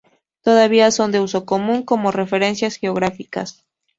Todavía son de uso común como referencias geográficas.